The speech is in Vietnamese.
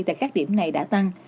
tại các điểm này đã tăng